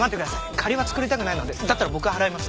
借りは作りたくないのでだったら僕が払います。